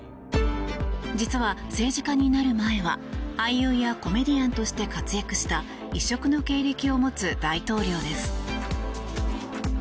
実は、政治家になる前は俳優やコメディアンとして活躍した異色の経歴を持つ大統領です。